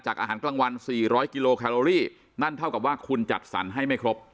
อาหารกลางวัน๔๐๐กิโลแคโลรี่นั่นเท่ากับว่าคุณจัดสรรให้ไม่ครบ